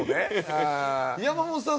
山本さん